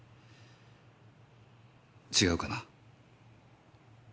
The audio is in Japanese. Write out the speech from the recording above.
違うかな？